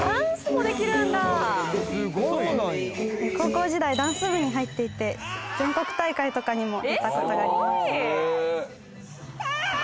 「高校時代ダンス部に入っていて」「全国大会とかにも出たことがあります」